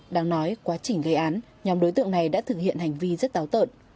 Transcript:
đang nói quá trình gây án nhóm đối tượng này đã thực hiện hành vi rất táo tợn